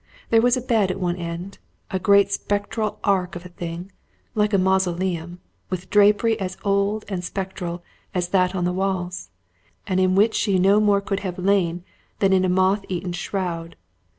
There was a bed at one end a great spectral ark of a thing, like a mausoleum, with drapery as old and spectral as that on the walls, and in which she could no more have lain than in a moth eaten shroud.